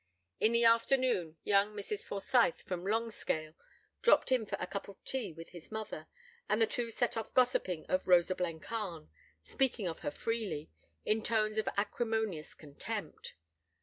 In the afternoon, young Mrs. Forsyth, from Longscale, dropped in for a cup of tea with his mother, and the two set off gossiping of Rosa Blencarn, speaking of her freely, in tones of acrimonious contempt.